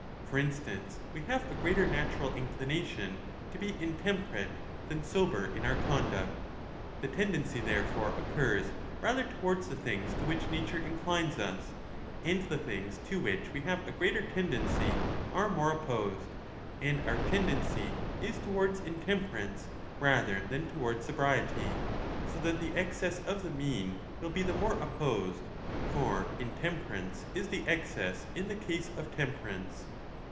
For instance, we have a greater natural inclination to be in temperate than sober in our conduct. The tendency, therefore, occurs rather towards the things to which nature inclines us ; and the things to which we have a greater tendency are more opposed ; and our tendency is towards 30 intemperance rather than towards sobriety ; so that the excess of the mean will be the more opposed ; for intem perance is the excess in the case of temperance.